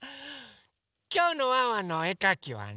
きょうのワンワンのおえかきはね